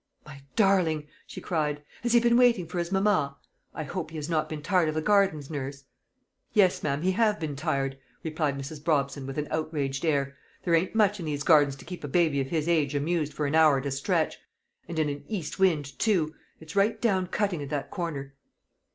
"My darling!" she cried. "Has he been waiting for his mamma? I hope he has not been tired of the gardens, nurse?" "Yes, ma'am, he have been tired," replied Mrs. Brobson, with an outraged air. "There ain't much in these gardens to keep a baby of his age amused for an hour at a stretch; and in a east wind too! It's right down cutting at that corner."